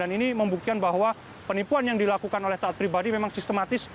dan ini membuktikan bahwa penipuan yang dilakukan oleh taat pribadi memang sistematis